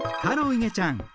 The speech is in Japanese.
いげちゃん。